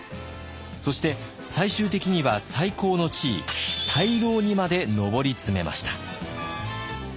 そして最終的には最高の地位大老にまで上り詰めました。